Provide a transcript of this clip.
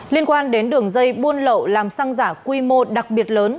liên quan đến đường dây buôn lậu làm xăng giả quy mô đặc biệt lớn